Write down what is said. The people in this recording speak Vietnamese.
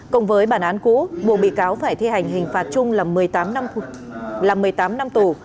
cộng với bản án cũ buộc bị cáo phải thi hành hình phạt chung là một mươi tám năm tù